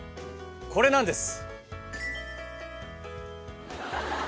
これなんです。